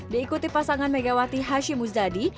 diikuti pasangan megawati hashim muzadi